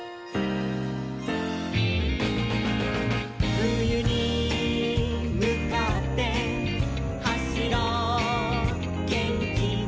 「ふゆにむかってはしろうげんきに」